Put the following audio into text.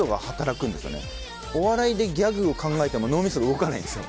お笑いでギャグを考えても脳みそ動かないんですよ。